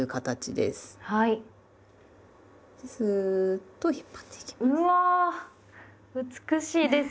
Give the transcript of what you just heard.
でスーッと引っ張っていきます。